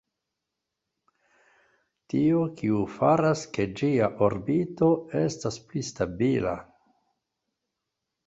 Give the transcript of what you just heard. Tio, kiu faras, ke ĝia orbito estas pli stabila.